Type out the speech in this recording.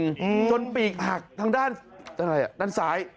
ครับโดนปลีกหักทางด้านสาย